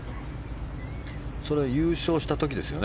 それ優勝した時ですよね。